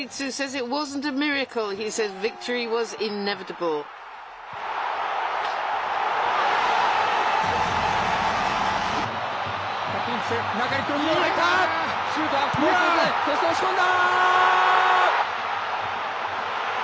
そして押し込んだ！